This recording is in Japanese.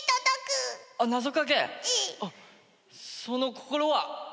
その心は？